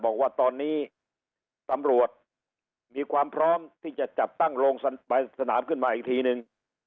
บอกว่าตอนนี้ตำรวจมีความพร้อมที่จะจัดตั้งโรงสนามขึ้นมาอีกทีนึง